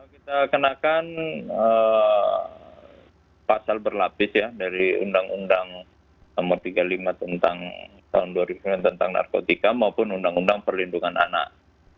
kita kenakan pasal berlapis ya dari undang undang nomor tiga puluh lima tentang tahun dua ribu sembilan tentang narkotika maupun undang undang perlindungan anak